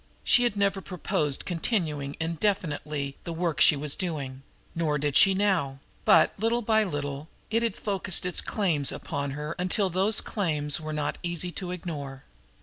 She had never purposed continuing indefinitely the work she was doing, nor did she now; but, little by little, it had forced its claims upon her until those claims were not easy to ignore.